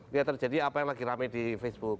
ya terjadi apa yang lagi rame di facebook